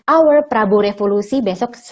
our prabu revolusi besok